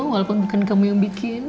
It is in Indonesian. walaupun bukan kamu yang bikin